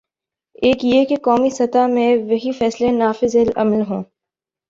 ایک یہ کہ قومی سطح میں وہی فیصلے نافذالعمل ہوں۔